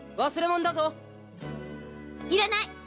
忘れもんだぞいらない！